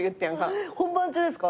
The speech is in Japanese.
本番中ですか？